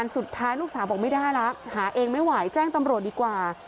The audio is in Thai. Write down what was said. สุดท้ายลูกสาวบอกไม่ได้แล้วหาเองไม่ไหวแจ้งตำรวจดีกว่า